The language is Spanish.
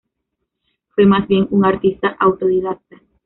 Fue más bien un artista autodidacta.